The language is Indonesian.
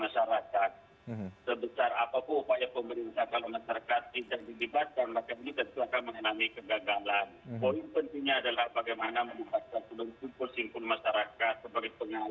sebagai penayong untuk pengendalian covid sembilan belas